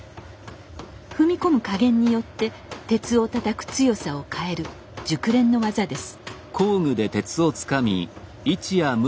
踏み込む加減によって鉄をたたく強さを変える熟練の技です。